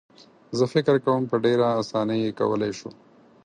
زه فکر کوم په ډېره اسانۍ یې کولای شو.